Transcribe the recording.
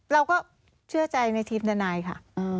เราก็เชื่อใจในทีมทนายค่ะ